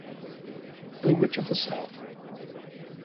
The Witch of the South.